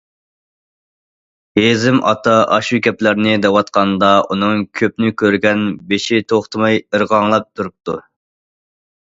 ھېزىم ئاتا ئاشۇ گەپلەرنى دەۋاتقاندا ئۇنىڭ كۆپنى كۆرگەن بېشى توختىماي ئىرغاڭلاپ تۇرۇپتۇ.